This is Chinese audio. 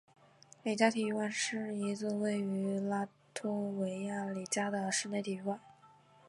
里加体育馆是一座位于拉脱维亚里加的室内体育馆。